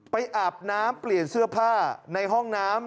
อาบน้ำเปลี่ยนเสื้อผ้าในห้องน้ำ